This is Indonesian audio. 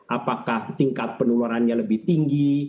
apakah tingkat penularannya lebih tinggi